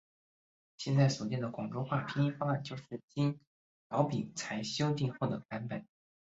现在所见的广州话拼音方案就是经饶秉才修订后的版本。